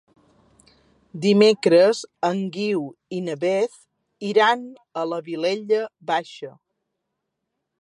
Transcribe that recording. Dimecres en Guiu i na Beth iran a la Vilella Baixa.